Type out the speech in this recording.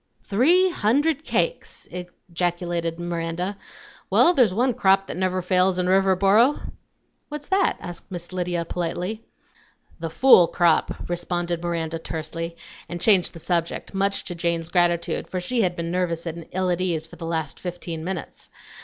"Three hundred cakes!" ejaculated Miranda. "Well, there's one crop that never fails in Riverboro!" "What's that?" asked Miss Lydia politely. "The fool crop," responded Miranda tersely, and changed the subject, much to Jane's gratitude, for she had been nervous and ill at ease for the last fifteen minutes.